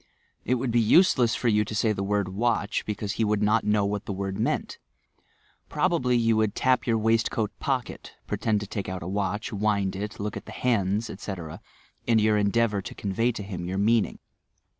It would be useless for you to say the word 'watch,' be cause he would not know what the word meant. Prob ably you would tap your waistcoat pocket, pretend to take out a watch, wind it, look at the hands, etc., in your endeavour to convey to him your meaning.